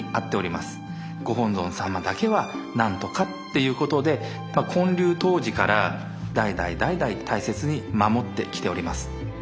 御本尊様だけは何とかっていうことで建立当時から代々代々大切に守ってきております。